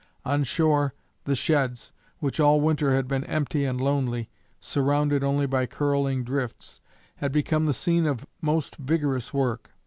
On shore the sheds, which all winter had been empty and lonely, surrounded only by curling drifts, had become the scene of most vigorous work.